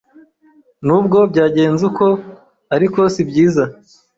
nubwo byagenze uku ariko sibyiza